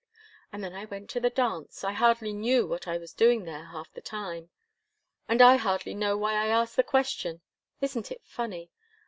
And then I went to the dance. I hardly knew what I was doing, half the time." "And I hardly know why I asked the question. Isn't it funny?